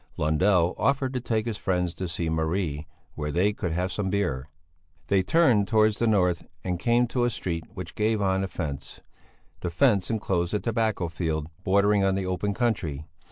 Lundell offered to take his friends to see Marie, where they could have some beer. They turned towards the north and came to a street which gave on a fence; the fence enclosed a tobacco field, bordering on the open country.